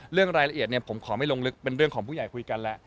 เรื่องรายละเอียดผมขอไม่ลงลึกเป็นเรื่องของผู้ใหญ่คุยกันแล้ว